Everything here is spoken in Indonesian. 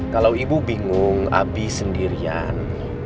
kalau ibu bingung abi sendirian